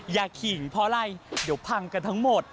ขิงเพราะอะไรเดี๋ยวพังกันทั้งหมด